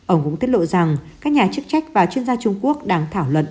ông cũng tiết lộ rằng các nhà chức trách và chuyên gia trung quốc đang thảo luận